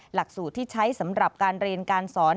หลักสูตรที่ใช้สำหรับการเรียนการสอน